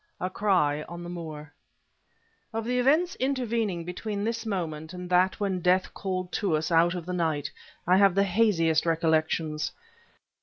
A CRY ON THE MOOR Of the events intervening between this moment and that when death called to us out of the night, I have the haziest recollections.